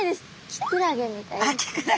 キクラゲみたいな。